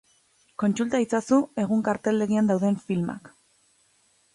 Kontsulta itzazu egun karteldegian dauden filmak.